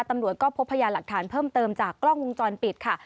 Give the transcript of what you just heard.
ตำรวจก็พบพยานหลักฐานเพิ่มเติมจากกล้องวงจรปิดค่ะ